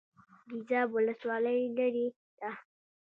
ګیزاب ولسوالۍ لیرې ده؟